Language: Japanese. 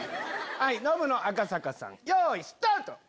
ノブの赤坂さんよいスタート！